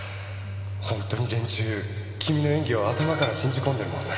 本当に連中君の演技を頭から信じ込んでるもんな。